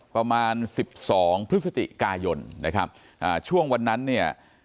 ประมาณ๑๒พฤศจิกายนช่วงวันนั้นเนี่ย